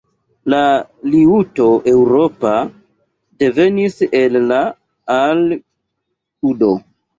La liuto eŭropa devenis el la al-udo.